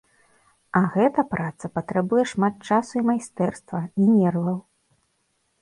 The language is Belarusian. А гэта праца патрабуе шмат часу і майстэрства, і нерваў.